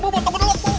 ibu bu temu dulu